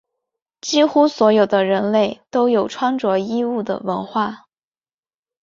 几乎所有的人类都有穿着衣物的文化。